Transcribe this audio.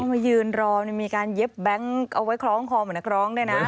มายืนรอมีการเย็บแบงค์เอาไว้คล้องคอเหมือนนักร้องด้วยนะ